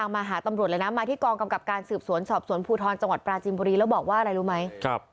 มาหาตำรวจเลยนะมาที่กองกำกับการสืบสวนสอบสวนภูทรจังหวัดปราจินบุรีแล้วบอกว่าอะไรรู้ไหม